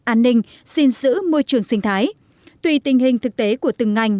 an ninh xin giữ môi trường sinh thái tùy tình hình thực tế của từng ngành